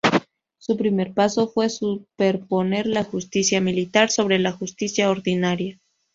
Su primer paso fue superponer la Justicia Militar sobre la justicia ordinaria.